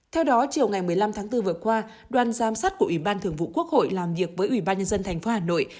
theo đó chiều ngày một mươi năm tháng bốn vừa qua đoàn giám sát của ủy ban thường vụ quốc hội làm việc với ủy ban nhân dân tp hà nội